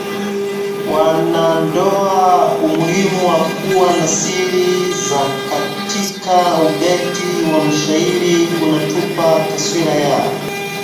wanandoa umuhimu wa kuwa na siri za Katika ubeti wa mshairi anatupa taswira ya